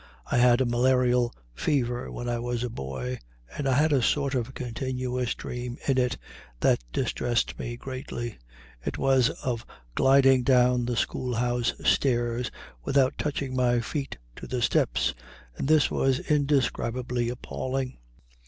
I had a malarial fever when I was a boy, and I had a sort of continuous dream in it that distressed me greatly. It was of gliding down the school house stairs without touching my feet to the steps, and this was indescribably appalling.